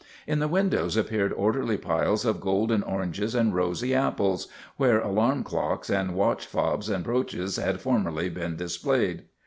In the windows appeared orderly piles of golden oranges and rosy apples, where alarm clocks and watch fobs and brooches had formerly been dis played.